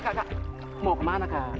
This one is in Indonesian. kakak mau kemana kak